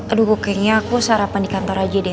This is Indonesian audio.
aduh bookingnya aku sarapan di kantor aja deh